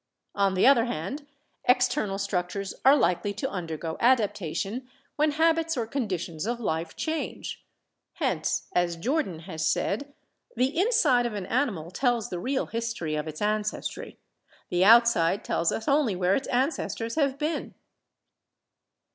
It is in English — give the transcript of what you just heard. On the other hand, external struc tures are likely to undergo adaptation when habits or con ditions of life change. Hence, as Jordan has said, "the inside of an animal tells the real history of its ancestry; the outside tells us only where its ancestors have been."